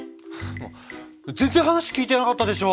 全然話聞いてなかったでしょ！